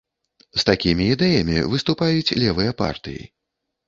З такімі ідэямі выступаюць левыя партыі.